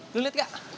lu liat gak